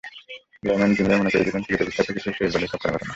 Layman junior মনে করিয়ে দিলেন ক্রিকেটের বিখ্যাত কিছু শেষ বলের ছক্কার ঘটনা।